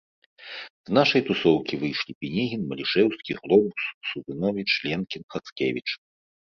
З нашай тусоўкі выйшлі Пінігін, Малішэўскі, Глобус, Сурыновіч, Ленкін, Хацкевіч